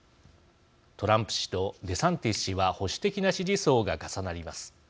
トランプ氏とデサンティス氏は保守的な支持層が重なります。